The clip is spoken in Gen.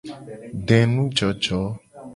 Denujojo.